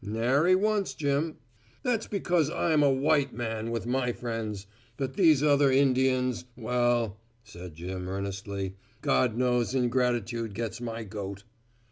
"Nary once, Jim." "That's because I am a white man with my friends. But these other Indians well," said Jim earnestly, "God knows ingratitude gets my goat."